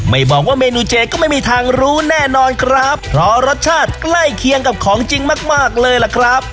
บอกว่าเมนูเจก็ไม่มีทางรู้แน่นอนครับเพราะรสชาติใกล้เคียงกับของจริงมากมากเลยล่ะครับ